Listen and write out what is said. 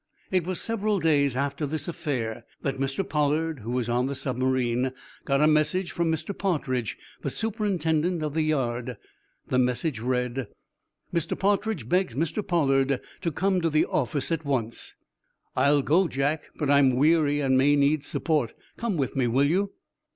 It was several days after this affair that Mr. Pollard, who was on the submarine, got a message from Mr. Partridge, the superintendent of the yard. The message read: "Mr. Partridge begs Mr Pollard to come to the office at once." "I'll go, Jack. But I'm weary and may need support. Come with me, will you?"